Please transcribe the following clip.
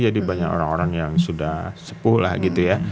jadi banyak orang orang yang sudah sepuh lah gitu ya